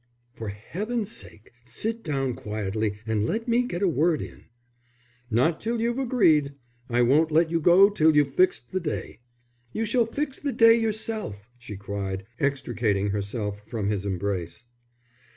"For heaven's sake sit down quietly, and let me get a word in." "Not till you've agreed. I won't let you go till you've fixed the day." "You shall fix the day yourself," she cried, extricating herself from his embrace.